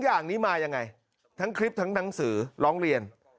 อย่างนี้มายังไงทั้งคลิปทั้งหนังสือร้องเรียน